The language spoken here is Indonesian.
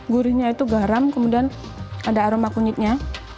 gurihnya itu garam kemudian ada aroma kunyitnya